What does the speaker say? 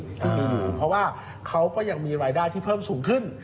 ที่มีอยู่เพราะว่าเขาก็ยังมีรายได้ที่เพิ่มสูงขึ้น